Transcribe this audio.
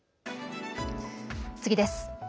次です。